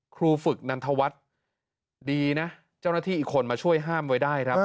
ครูฝึกนันทวัฒน์ดีนะเจ้าหน้าที่อีกคนมาช่วยห้ามไว้ได้ครับ